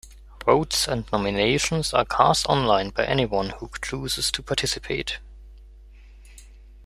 Votes and nominations are cast online by anyone who chooses to participate.